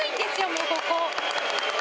もうここ。